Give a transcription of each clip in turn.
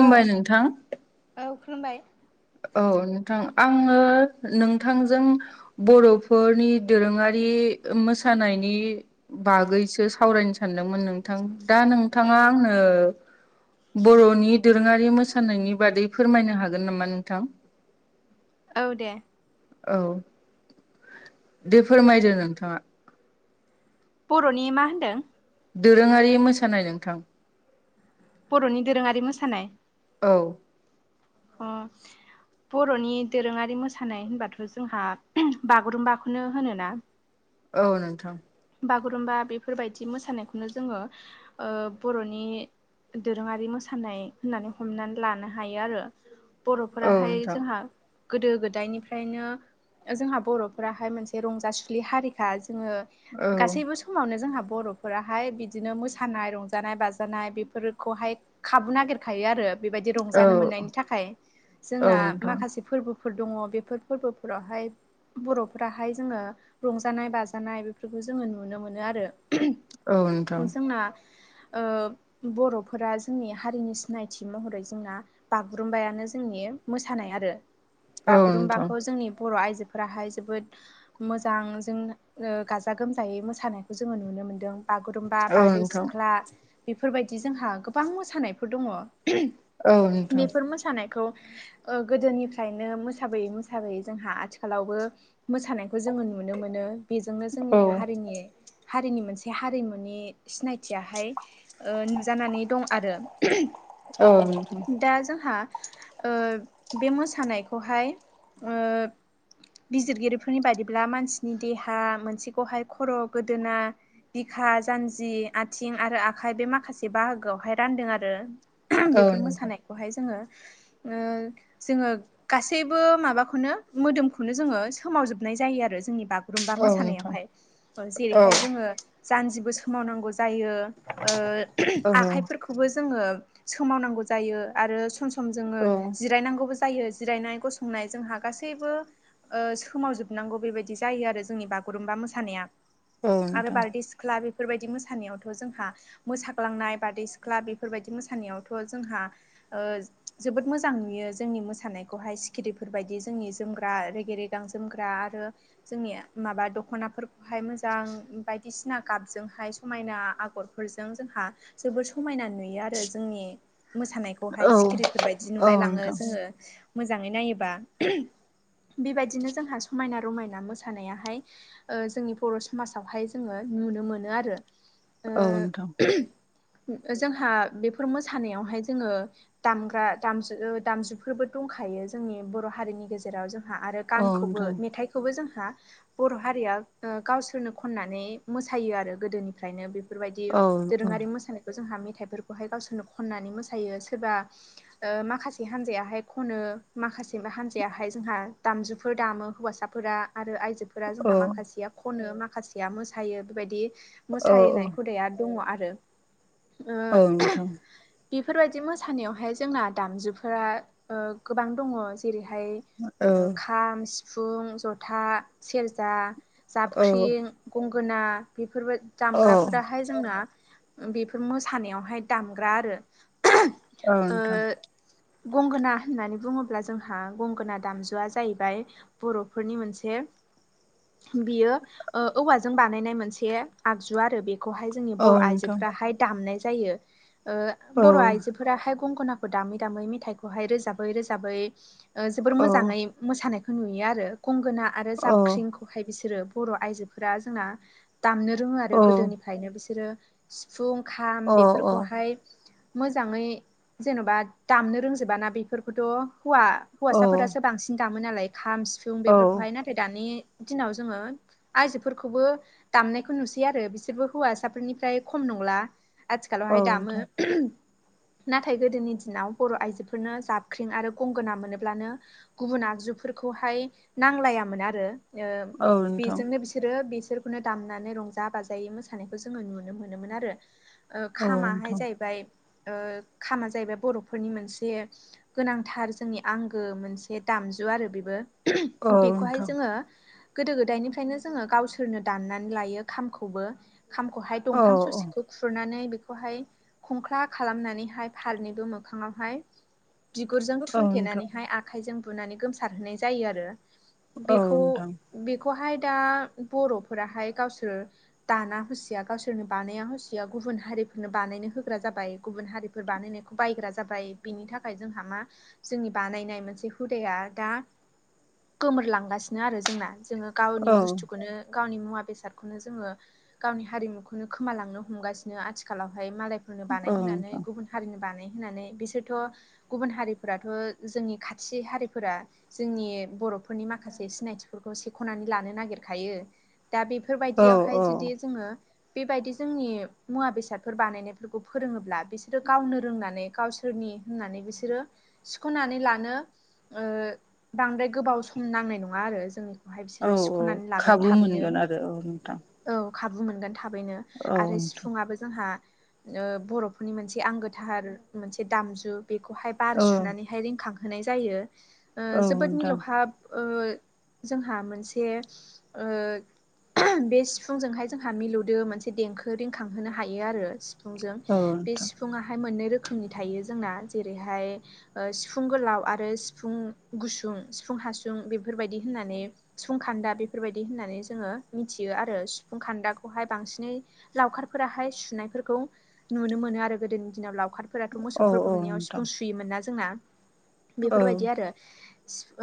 औ नोंथां औ खुलुमबाय औ नोंथां आङो नोंथांजों बर'फोरनि दोरोङारि मोसानायनि बागैसो सावरायनो सानदोंमोन नों दा नोंथाङा आंनो बर'नि दोरोङारि मोसानायनि बादै फोरमायनो हागोन नामा नोंथां। औ दे औ दे फोरमायदो नोंथाङा बर'नि मा होनदों दोरोङारि मोसानाय नोंथां। बर'नि दोरोङारि मोसानाय औ अ बर'नि दोरोङारि मोसानाय होनबाथ' जोंहा बागुरुम्बाखौनो होनोना। औ नोंथां। बागुरुम्बा बेफोरबायदि मोसानायखौनो जोङो बर'नि दोरोङारि मोसानाय होननानै हमनानै लानो हायो आरो औ बर'फोराहाय नोंथां जोंहा गोदो गोदायनिफ्रायनो जोंहा बर'फोराहाय मोनसे रंजासुुलि हारिखा जोङो। औ गासैबो समावनो जोंहा बर'फोराहाय बिदिनो मोसानाय रंजानाय बाजानाय बेफोरखौहाय खाबु नागिरखायो आरो बेबायदि औ रंजानो मोननायनि थाखाय औ जोंना नोंथां माखासे फोरबोफोर दङ बेफोर फोरबोफोरावहाय बर'फोराहाय जोङो रंजानाय बाजानाय बेफोर रखौ जोङो नुनो मोनो आरो औ नोंथां जोंना बर'फोरा जोंनि हारिनि सिनायथि महरै जोंना बागुरुम्बायानो जोंनि मोसानाय आरो औ नोंथां बागुरुम्बाखौ जोंनि बर' आइजोफोराहाय जोबोद मोजां [unintelligible] गाजा गोमजायै मोसानायखौ जोङो नुनो मोनदों बागुरुम्बा, औ बारदै नोंथां सिख्ला बेफोरबायदि जोंहा गोबां मोसानायफोर दङ औ नोंथां बेफोर मोसानायखौ गोदोनिफ्रायनो मोसाबोयै मोसाबोयै मोसाबोयै जोंहा आथिखालावबो मोसानायखौ जोङो नुनो मोनो बेजोंनो जोंनि औ हारिनि हारिनि मोनसे हारिमुनि सिनायथियाहाय नुजानानै दं आरो औ नोंथां दा जोंहा ओ बे मोसानायखौहाय बिजिरगिरिफोरनि बायदिब्ला मानसिनि देहा मोनसेखौहाय खर' गोदोना बिखा जान्जि आथिं आरो आखाय बे माखासे बाहागोआवहाय रानदों आरो औ बेफोर नोंथां मोसानायखौहाय जोंङो ओ जोंङो गासैबो माबाखौनो मोदोमखौनो जोंङो सोमावजोबनाय जायो आरो जोंनि बागु औ नोंथां मोसानायावहाय जेरैहाय जोङो जानजिबो सोमावनांगौ जायो ओ आखाइफोरखौ खौबो जोङो सोमावनांगौ जायो आरो सम सम जोङो औ जिरायनांगौबो जायो जिरायनाय गसंनाय जोंहा गासैबो सोमावजोबनांगौ बेबायदि जायो आरो जोंनि बागुरुमबा मोसानाया औ आरो नोंथां बारदै सिख्ला सिख्ला बेफोरबायदि मोसानायावथ' जोंहा मोसाग्लांनाय बारदै सिख्ला बेफोरबायदि मोसानायावथ' जोंहा जोबोद मोजां नुयो जोंनि मोसानायखौहाय सिखिरिफोरबायायदि जोंनि जोमग्रा रेगे रेगां जोमग्रा आरो जोंनि माबा दख'ना बेहाय मोजां बायदिसिना गाबजोंहाय समायना आगरफोरजों जोंहा जोबोर समायना नुयो आरो जोंनि मोसानायखौ खौहाय औ सिखिरिफोरबायदि औ नुलाय लाङो नोंथां जोङो मोजाङै नायोबा बेबायदिनो जोंहा समायना रमायना मोसानायाहाय ओ जोंनि बर' समाजावहाय जोङो नुनो मोनो आरो औ नोंथां ओ जोंहा बेफोर मोसानायावहाय जोंङो दामग्रा दामु दामजुफोरबो दंखायो जोंनि बर' हारिनि गेजेराव जोंहा आरो औ गानखौबो नोंथां मेथाइखौबो जोंहा बर' हारिया गावसोरनो खननानै मोसायो आरो गोदोनिफ्रायनो बेफोरबायदि औ दोरोङारि मोसानाय जोंहा मेथाइफोरखौहाय गावसोरनो खननानै मोसायो सोरबा ओ माखासे हानजायाहाय खनो माखासे हानजायाहाय जोंहा दामजुफोर दामो हौवासा फोरा आरो आइजो फोरा जोंहा औ माखासेया खनो माखासेया मोसायो बेबायदि औ मोसानाय हुदाया दङ आरो ओ औ नोंथां बेफोरबायदि मोसानायावहाय जोंना दामजुफोरा गोबां दङ' जेरैहाय औ खाम सिफुं जथा सेरजा औ जाबख्रिं गंगोना बेफोरबो औ नोंथां औ नोंथां औ अ औ दामग्राफोराहाय जोंना बेफोर मोसानायावहाय दामग्रा आरो ओं नोंथां ओ गंगोना होननानै बुङोब्ला जोंहा गंगोना दामजुआ जाहैबाय बर'फोरनि मोनसे बियो ओ औवाजों बानायनाय मोनसे आगजु आरो बेखौहाय जोंनि औ बर' आइजोफोराहाय दामनाय जायो। ओ बर' आइजोफोराहाय गंगनाखौ दामै दामै मेथाइखौहाय रोजाबै रोजाबै ओ जोबोर मोजाङै मोसानायखौ नुयो आरो गंगोना आरो जाबख्रिं बेहाय बिसोरो बर' आइजोफोरा जोंना दामनो रोङो आरो गोदोनिफ्रायनो बिसोरो सिफुं खाम बेफोरखौहाय मोजाङै जेन'बा दामनो रोंजोबाना बेफोरखौथ' हौवा हौवासाफोरासो बांसिन दामो नालाय खाम सिफुं बेफोरखौहाय नाथाय दानि दिनाव जोंङो आयजोफोरखौबो दामनायखौ नुसै आरो बिसोरबो हौवासाफोरनिफ्राय खम नंला आथिखालावहाय दामो नोंथां नाथाय गोदोनि दिनाव बर' आइजोफोरनो जाबख्रिं आरो गंगोना मोनोब्लानो गुबुन आगजुफोरखौहाय नांलायामोन आरो ओ औ नोंथां औ नोंथां बेजोंनो बि बिसोरो बिसोरखौनो दामनानै रंजा बाजायै मोसानायखौ जोङो नुनो मोनोमोन आरो ओ खामाहाय जाहैबाय ओ खामा जाहैबाय बर'फोरनि मोनसे गोनांथार जोंनि आंगो मोनसे दामजु आरो बेबो बेखौहाय जोङो गोदो गोदायनिफ्रायनो जोङो गावसोरनो दाननानै लायो खामखौबो खामखौहाय औ औ दंफां ससेखौ खुरनानै बेखौहाय खंख्ला खालामनानैहाय फारनैबो मोखाङावहाय बिगुरजों औ नोंथां थुनथेनानैहाय आखाइजों बुनानै गोमसारहोनाय जायो आरो औ बेखौ नोंथां बेखौहाय दा बर'फोराहाय गावसोर दाना होसिया गावसोरनो बानाया होसिया गुबुन हारिफोरनो बानायनो होग्रा जाबाय गुबुन हारि फोर बानायनायखौ बायग्रा जाबाय बिनि थाखाय जोंहा मा जोंनि बानायनाय मोनसे हुदाया दा गोमोरलांगासिनो आरो जोंना जोङो गावनि औ बुस्थुखौनो गावनि मुवा बेसादखौनो जोंङो गावनि हारिमुखौनो खोमालांनो हमगासिनो आथिखालावहाय मालायफोरनो औ बानायहोनानै नोंथां गुबुन हारिनो बानाय होननानै बिसोरथ' गुबुन हारिफोराथ' जोंनि खाथि हारिफोरा जोंनि बर'फोरनि माखासे सिनायथिफोरखौ सेख'नानै लानो नागिरखायो दा औ बेफोरबायदियावहाय जुदि जोङो बेबायदि जोंनि मुवा बेसादफोर बानायनायफोरखौ फोरोङोब्ला बिसोरो गावनो रोंनानै गावसो फोरनि होननानै बिसोरो सिख'नानै लानो ओ बांद्राय गोबाव सम नांनाय नङा आरो जों ओमफाय औ बिसोरो औ सिख'नानै लागोन खाबु थाबैनो मोनगोन आरो औ नोंथां औ खाबु मोनगोन थाबैनो औ आरो नोंथां सिफुुंआबो जोंहा ओ बर'फोरनि मोनसे आंगोथार मोनसे दामजु बेखौहाय बार सुनानै रिंखांहोनाय जायो ओ औ जोबोद नोंथां मिलौहाब ओ जोंहा मोनसे ओ बे सिफुंजोंहाय जोंहा मिलौदो मोनसे देंखो रिंखांहोनो हायो आरो सि फुंजों औ बे नोंथां सिफुंङाहाय मोननै रोखोमनि थायो जोंना जेरैहाय ओ सिफुं गोलाव आरो सिफुं गुसुं सिफुं हासुं बेफोरबायदि होननानै सिफुं खान्दा बेफोरबायदि होननानै जोङो मिथियो आरो सिफुं खान्दाखौहाय बांसिनै लावखारफोराहाय सुनायफोरखौ नुनो मोनो आरो गोदोनि दिनाव लावखार फोराथ' औ मोसौफोर औ गुमनायाव नोंथां सिफुं सुयोमोन ना जोंना औ बेफोरबायदि आरो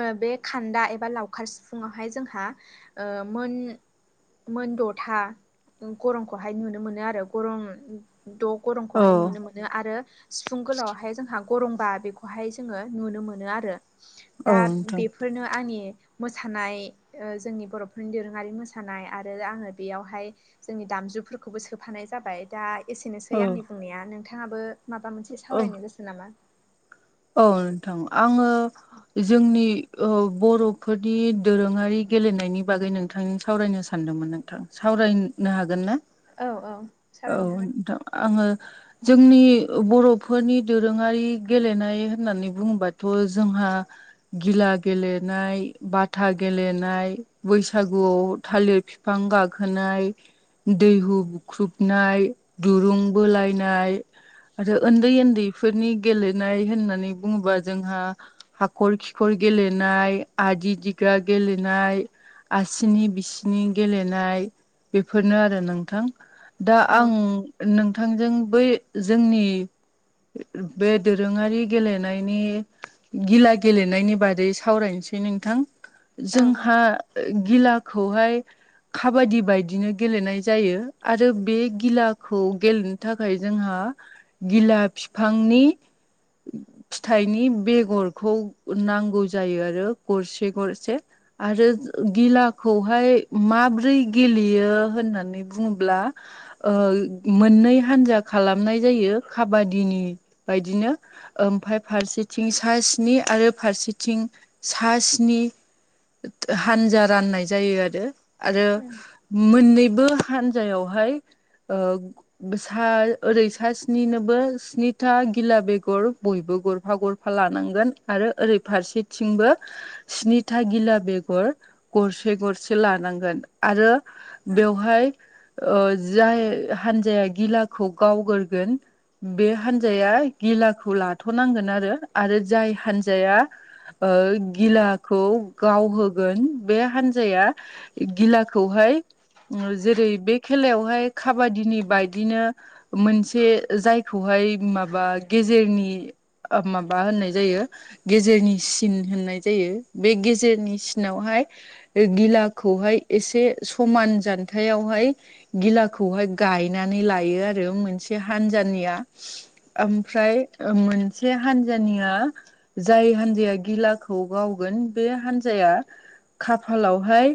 ओ बे खान्दा एबा लावखार सिफुङावहाय जोंहा ओ मोन मोनद'था गरंखौहाय नुनो मोनो आरो गरं द' औ गरंखौहाय नुनो मो नो आरो सिफुं गोलावहाय जोंहा गरंबा बेखौहाय जोङो नुनो मोनो आरो दा नोंथां बेफोरनो आनि मोसानाय ओ जोंनि बर'फोरनि दोरोङारि मोसानाय आरो आङो बेयावहाय जोंनि दामजुफोरखौबो सोफानाय जाबाय। दा एसेनोसै औ आंनि बुंनाया नोंथाङाबो माबा मोनसे औ सावरायनो गोसो नामा? औ नोंथां आङो जोंनि ओ बर'फोरनि दोरोङारि गेलेनायनि बागै नोंथांनो सावरायनो सान सानदोंमोन नोंथां सावरायनो हागोन ना? औ औ औ सावरायनो हागोन नोंथां आङो जोंनि बर'फोरनि दोरोङारि गेलेनाय होननानै बुङोबाथ' जोंहा गिला गेलेनाय बाथा गेलेनाय बैसागुआव थालिर फि फां गाखोनाय दैहु बुख्रुबनाय दुरुं बोलायनाय आरो उन्दै उन्दैफोरनि गेलेनाय होननानै बुङोबा जोंहा हाखर खिखर गेलेनाय आदि दिगा गेलेनाय आसिनि बिसिनि गेलेनाय बेफोरनो आरो नोंथां दा औ आं नोंथांजों बै जोंनि बे दोरोङारि गेलेनायनि गिला गेलेनायनि बादै सावरायनोसै नोंथां। औ जोंहा गिलाखौहाय खाबादि बायदिनो गेलेनाय जायो आरो बे गिलाखौ गेलेनो थाखाय जोंहा गिला फिफांनि फिथाइनि बेगरखौ नांगौ जायो आरो गरसे गरसे आरो गिलाखौहाय माब्रै गेलेयो होननानै बुङोब्ला ओ मोननै हान्जा खालामनाय जायो खाबादिनि बायदिनो ओमफफ्राय फारसेथिं सा स्नि आरो फारसेथिं सा स्नि हानजा राननाय जायो आरो आरो औ मोननैबो हान्जायावहाय ओ सा ओरै सा स्निनोबो स्निथा गिला बेग गर बयबो गरफा गरफा लानांगोन आरो ओरै फारसेथिंबो स्निथा गिला बेगर गरसे गरसे लानांगोन आरो बेवहाय ओ जाय हान्जाया गिलाखौ गावगोरोगोन बे हान्जाया गिला खौ लाथ'नांगोन आरो आरो जाय हान्जाया ओ गिला खो गावहोगोन बे हान [unintelligible] गिलाखौहाय जेरै बे खेलायावहाय खाबादिनि बायदिनो मोनसे जायखौहाय माबा गेजेरनि माबा होननाय जायो। गेजेरनि सिन होननाय जायो बे गेजेरनि सिनावहाय गिलाखौहाय एसे समान जान्थायावहाय गिलाखौहाय गायनानै लायो आरो मोनसे हानजानिया मोनसे हानजानिया जाय हान्जाया गिला खौ गावगोन बे हान्जाया खाफालावहाय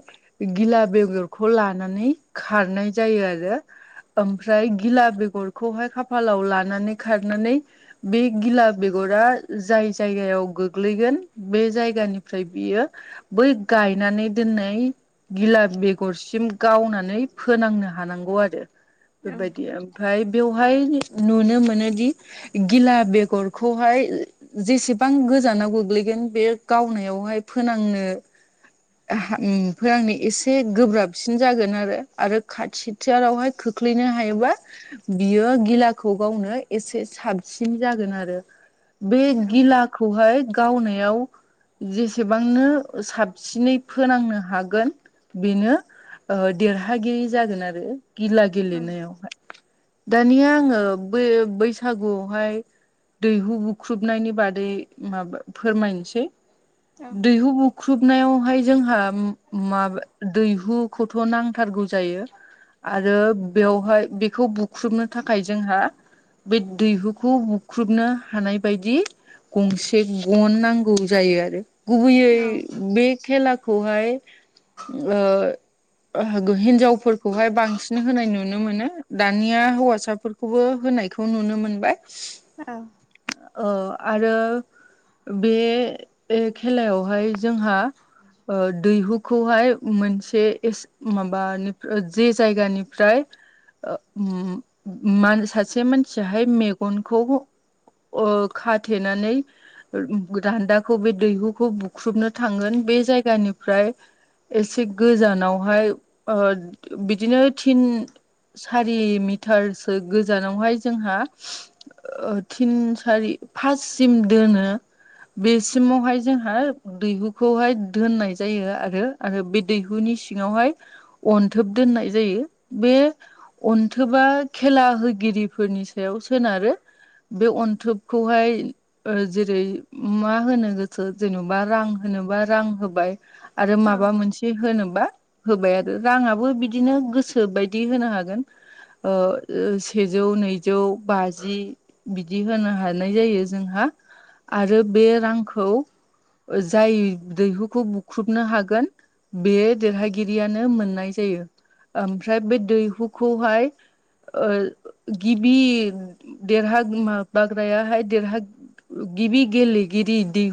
गिला बेगरखौ लानानै खारनाय जायो आरो ओमफ्राय गिला बेगरखौहाय खाफालाव लानानै खारनानै बे गिला बेगरा जाय जायगायाव गोग्लैगोन बे जायगानिफ्राय बियो बै गायनानै दोननाय गिला बेगरसिम गावनानै फोनांनो हानांगौ आरो बेबायदि ओमफ्राय बेवहाय नुनो मोनोदि गिला बेगरखौहाय जेसेबां गोजानाव गोग्लैगोन बे गावनायावहाय फोनांनो फोनांनो एसे गोब्राबसिन जागोन आरो आरो खाथि होथियारावहाय खोख्लैनो हायोबा बियो गिलाखौ गावनो एसे साब साबसिन जागोन आरो बे गिलाखौहाय गावनायाव जेसेबांनो साबसिनै फोनांनो हागोन बेनो देरहागिरि जागोन आरो गिला गेलेनायावाय दानिया आङो बे बैसागु बेहाय दैहु बुख्रुबनायनि बादै माबा फोरमायनोसै औ दैहु बुख्रुबनायावहाय जोंहा माबा दैहु खौथ' नांथारगौ जायो आरो बेवहाय बेखौ खुख्रुबनो थाखाय जोंहा बे दैहुखौ खौ बुख्रुबनो हानाय बायदि गंसे गन नांगौ जायो आरो गुबैयै बे खेलाखौहाय हिनजावफोरखौहाय बांसिन होनाय नुनो मोनो दानिया हौवासाफोरखौ खौबो होनायखौ नुनो मोनबाय औ औ आरो बे खेलायावहाय जोंहा दैहुखौहाय मोनसे माबानि जे जायगानिफ्राय। सासे मानसियाहाय मेगनखौ अ खाथेनानै दान्दाखौ बे दैहुखौ बुख्रुबनो थांगोन बे जायगानिफ्राय एसे गोजानावहाय ओ बिदिनो थिन सारि मिटारसो गोजानावहाय जोंहा थिन सारि फाससिम दोनो बेसिमावहाय जोंहा दैहुखौहाय दोननाय जायो आरो आरो बे दैहुनि सिङावहाय अन्थोब दोननाय जायो बे अनथोबा खेला होगिरिफोरनि सायाव सोनार बे अन्थोबखौहाय जेरै मा होनो गोसो जेनेबा रां जेन'बा रां होबाय आरो मा औ औ मोनसे बि होनोबा होबाय आरो राङाबो बिदिनो गोसो बायदि होनो हागोन ओ सेजौ नैजौ बाजौ जि बिदि होनो हानाय जायो जोंहा आरो बे रांखौ जाय दैहुखौ बुख्रुबनो हागोन बे देरहागिरियानो मोननाय जायो। ओमफ्राय बे दैहुखौहाय आ गिबि देरहाग बाग्रायाहाय देरहा गिबि गेलेगिरि